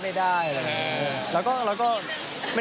ป่าก็ใส่